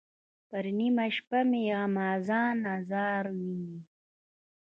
پر نیمه شپه مې غمازان آزار ویني.